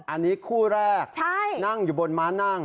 อันนี้คู่แรกนั่งอยู่บนม้านั่ง